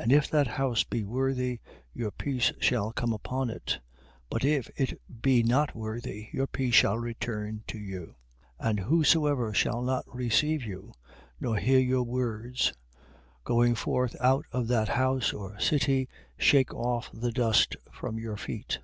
10:13. And if that house be worthy, your peace shall come upon it; but if it be not worthy, your peace shall return to you. 10:14. And whosoever shall not receive you, nor hear your words: going forth out of that house or city shake off the dust from your feet.